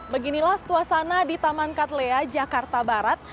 beginilah suasana di taman katlea jakarta barat